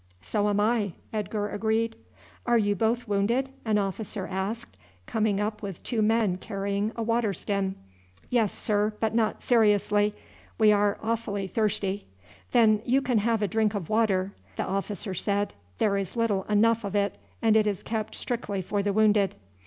"So am I," Edgar agreed. "Are you both wounded?" an officer asked, coming up with two men carrying a water skin. "Yes, sir, but not seriously; but we are awfully thirsty." "Then you can have a drink of water," the officer said. "There is little enough of it, and it is kept strictly for the wounded."